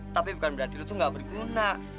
tapi bukan berarti lu tuh gak berguna